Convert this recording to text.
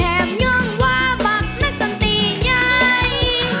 แถมย่องว่าบักนักศัลติใหญ่